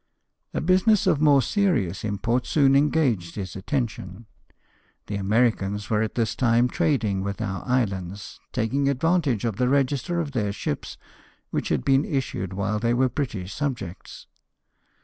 A business of more serious import soon engaged his attention. The Americans were at this time trading with our islands, taking advantage of the register of their ships, which had been issued while they were British subjects.